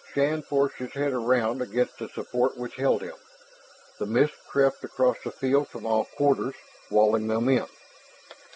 Shann forced his head around against the support which held him. The mist crept across the field from all quarters, walling them in.